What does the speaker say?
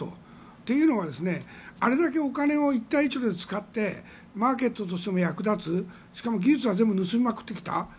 というのはあれだけお金を一帯一路で使ってマーケットとしても役立つしかも技術は全部盗んできた。